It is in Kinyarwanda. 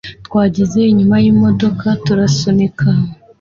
twageze inyuma yimodoka turasunika